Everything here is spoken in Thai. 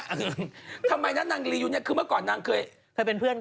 ทำไมนะนางลียูเนี่ยคือเมื่อก่อนนางเคยเป็นเพื่อน